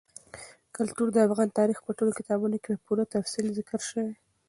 کلتور د افغان تاریخ په ټولو کتابونو کې په پوره تفصیل ذکر شوی دي.